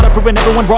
mau kemana ini semua